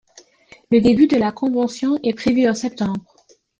Le début de la convention est prévu au septembre.